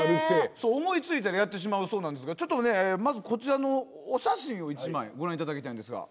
そう思いついたらやってしまうそうなんですがちょっとねまずこちらのお写真を１枚ご覧いただきたいんですが。